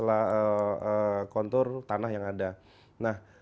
mulai dari kawasan kars menjadi yang keima dan kecil